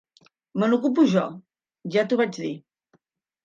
Me n'ocupo jo, ja t'ho vaig dir.